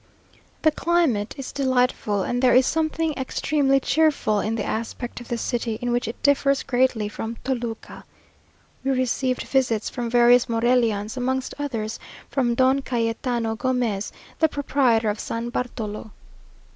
The climate is delightful, and there is something extremely cheerful in the aspect of the city, in which it differs greatly from Toluca. We received visits from various Morelians, amongst others from Don Cayetano Gomez, the proprietor of San Bartolo.